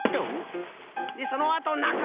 でそのあとなかをぬる。